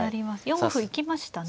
４五歩行きましたね。